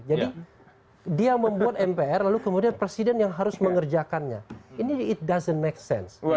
jadi dia membuat mpr lalu kemudian presiden yang harus mengerjakannya ini tidak membuat sense